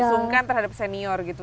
sungkan terhadap senior gitu